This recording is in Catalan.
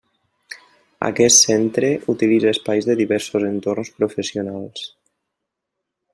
Aquest centre utilitza espais de diversos entorns professionals.